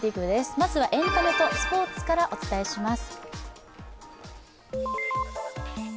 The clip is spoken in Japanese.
まずはエンタメとスポーツからお伝えします。